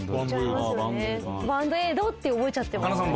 バンドエイドって覚えちゃってますよね。